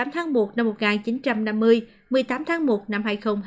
một mươi tháng một năm một nghìn chín trăm năm mươi một mươi tám tháng một năm hai nghìn hai mươi